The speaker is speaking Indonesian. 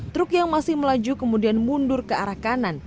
truk yang masih melaju kemudian mundur ke arah kanan